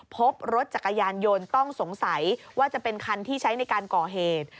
พบรถจักรยานยนต์ต้องสงสัยว่าจะเป็นคันที่ใช้ในการก่อเหตุ